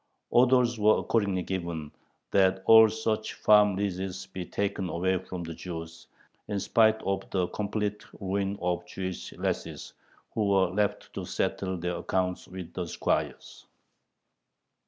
Orders were accordingly given, that all such farm leases be taken away from the Jews, in spite of the complete ruin of the Jewish lessees, who were left to settle their accounts with the squires.